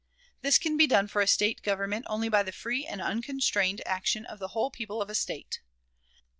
This can be done for a State government only by the free and unconstrained action of the whole people of a State.